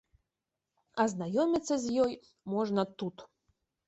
Азнаёміцца з ёй можна тут.